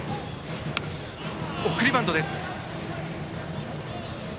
送りバントです。